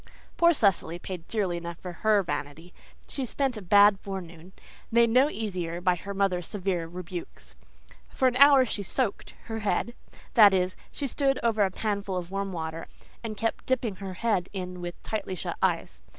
Poor Cecily paid dearly enough for HER vanity. She spent a bad forenoon, made no easier by her mother's severe rebukes. For an hour she "soaked" her head; that is, she stood over a panful of warm water and kept dipping her head in with tightly shut eyes.